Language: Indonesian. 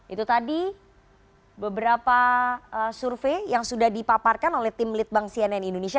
itu tadi beberapa survei yang sudah dipaparkan oleh tim litbang cnn indonesia